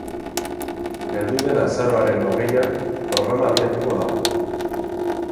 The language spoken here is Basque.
Heldu den azaroaren hogeian programa abiatuko da.